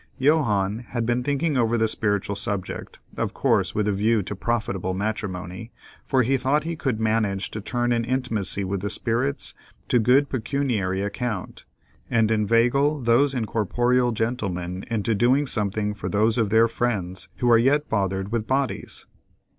Johannes had been thinking over the spiritual subject, of course with a view to profitable matrimony, for he thought he could manage to turn an intimacy with the spirits to good pecuniary account, and inveigle those incorporeal gentlemen into doing something for those of their friends who are yet bothered with bodies.